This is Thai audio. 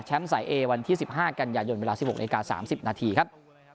แชมป์สายเอวันที่สิบห้ากันอย่ายนเวลาสิบหกนาทีสามสิบนาทีครับ